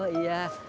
pak ini pak mumun